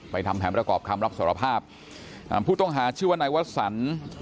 ทำแผนประกอบคำรับสารภาพอ่าผู้ต้องหาชื่อว่านายวสัน